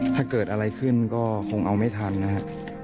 ถ้าเกิดอะไรขึ้นก็คงเอาไม่ทันนะครับ